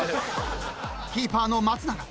［キーパーの松永］